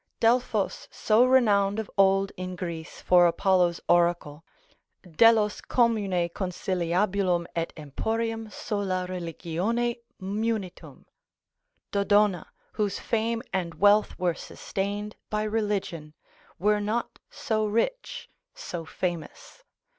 Delphos so renowned of old in Greece for Apollo's oracle, Delos commune conciliabulum et emporium sola religions manitum; Dodona, whose fame and wealth were sustained by religion, were not so rich, so famous.